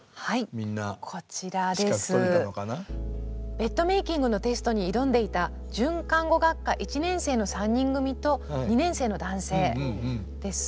ベッドメイキングのテストに挑んでいた准看護学科１年生の３人組と２年生の男性です。